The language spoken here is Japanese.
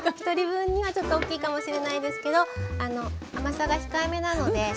１人分にはちょっと大きいかもしれないですけど甘さが控えめなので。